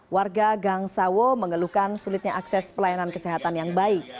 warga gangsawo mengeluhkan sulitnya akses pelayanan kesehatan yang baik